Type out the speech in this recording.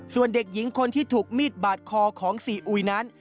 ส่วนเด็กหญิงคนที่ถูกมีดบาดคอของซีอุยนั้น